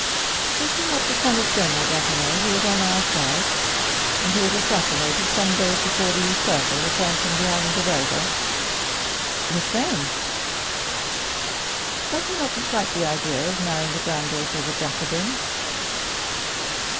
"Is he not the son of General d'Épinay who was on our side, and who was assassinated some days before the usurper returned from the Island of Elba?" "The same." "Does he not dislike the idea of marrying the granddaughter of a Jacobin?"